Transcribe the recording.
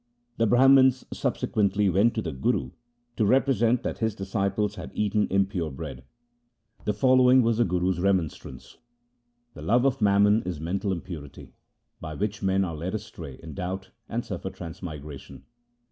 The Brahmans subsequently went to the Guru to represent that his disciples had eaten impure bread. The following was the Guru's remonstrance: — The love of mammon is mental impurity, By which men are led astray in doubt and suffer trans migration.